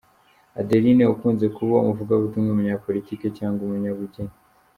Adeline akunze kuba umuvugabutumwa, umunyapolitike cyangwa umunyabugeni.